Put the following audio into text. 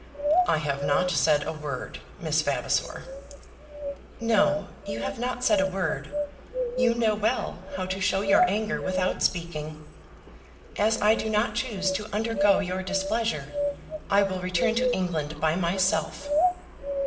"I have not said a word, Miss Vavasor." "No; you have not said a word. You know well how to show your anger without speaking. As I do not choose to undergo your displeasure, I will return to England by myself."